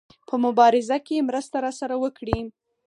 په مبارزه کې مرسته راسره وکړي.